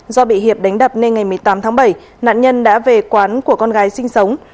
do bị hiệp đánh đập nên ngày một mươi tám tháng bảy nạn nhân đã về quán của con gái sinh sống